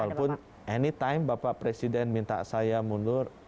walaupun anytime bapak presiden minta saya mundur